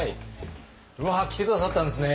うわ来て下さったんですね。